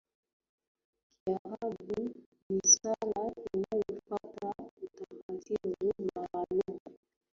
kiarabu ni sala inayofuata utaratibu maalumu